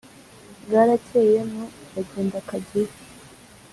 Bwarakeye nu, bagenda Kageyo